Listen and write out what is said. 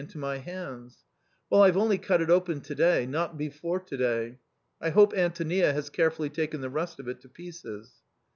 7 into my hands. Well, I've only cut it open to day — not before to day. I hope Antonia has carefully taken the rest of it to pieces."